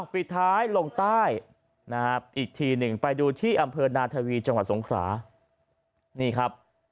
ปิดท้ายลงใต้อีกทีนึงไปดูที่อำเภษนาธวีจังหวัดสงขรา